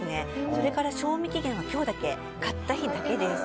それから、賞味期限は買った日だけです。